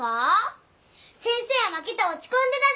先生は負けて落ち込んでたじゃん。